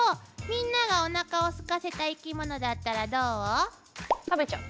みんながおなかをすかせた生き物だったらどう？